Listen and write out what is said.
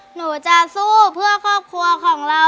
หนูจะสู้เพื่อครอบครัวของเรา